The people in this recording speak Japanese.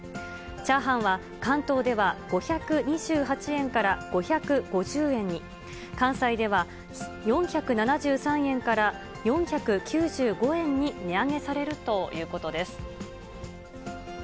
チャーハンは、関東では５２８円から５５０円に、関西では４７３円から４９５円に値上げされるということです。